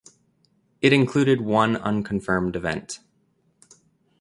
It included one unconfirmed event.